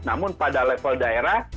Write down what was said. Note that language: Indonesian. namun pada level daerah